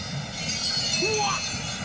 うわっ！